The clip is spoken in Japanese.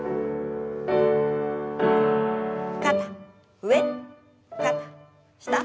肩上肩下。